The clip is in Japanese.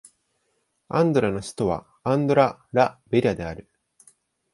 アンドラの首都はアンドラ・ラ・ベリャである